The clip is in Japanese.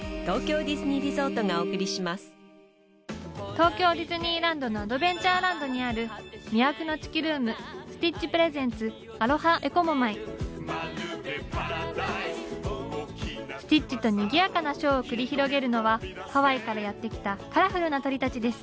東京ディズニーランドのアドベンチャーランドにある魅惑のチキルーム：スティッチ・プレゼンスティッチとにぎやかなショーを繰り広げるのはハワイからやって来たカラフルな鳥たちです。